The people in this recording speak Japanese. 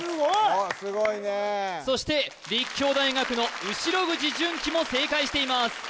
おっすごいねそして立教大学の後口純輝も正解しています